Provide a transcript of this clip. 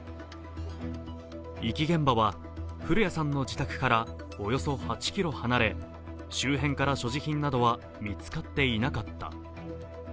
遺棄現場は古屋さんの自宅からおよそ８ｋｍ離れ周辺から所持品などは見つかっていなかった。